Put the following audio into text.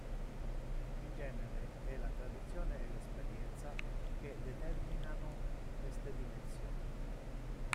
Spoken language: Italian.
In genere è la tradizione e l'esperienza che determinano queste dimensioni.